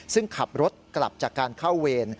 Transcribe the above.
ซึ่งขับรถกลับจากการเข้าเวร